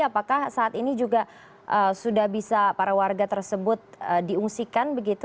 apakah saat ini juga sudah bisa para warga tersebut diungsikan begitu